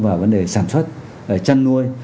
vào vấn đề sản xuất chăn nuôi